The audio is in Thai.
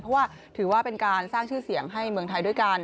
เพราะว่าถือว่าเป็นการสร้างชื่อเสียงให้เมืองไทยด้วยกัน